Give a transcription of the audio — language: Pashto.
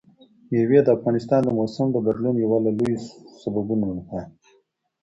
مېوې د افغانستان د موسم د بدلون یو له لویو سببونو ده.